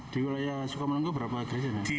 di wilayah sukamango berapa gereja